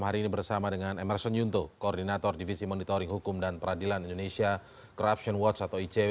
hari ini bersama dengan emerson yunto koordinator divisi monitoring hukum dan peradilan indonesia corruption watch atau icw